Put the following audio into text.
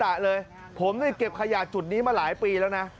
ผมก็ยังได้เก็บขยะจุดนี้มาหลายปีแล้ว